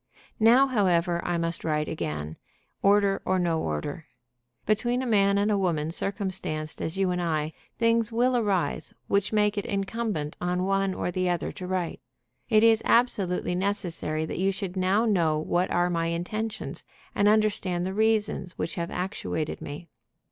"Now, however, I must write again, order or no order. Between a man and a woman circumstanced as you and I, things will arise which make it incumbent on one or the other to write. It is absolutely necessary that you should now know what are my intentions, and understand the reasons which have actuated me.